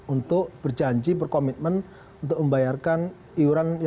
untuk berjanji berkomitmen untuk membayarkan iuran